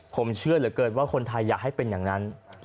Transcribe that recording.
ผมเชื่อเหลือเกินว่าคนไทยอยากให้เป็นอย่างนั้น